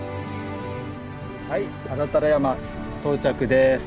はい安達太良山到着です。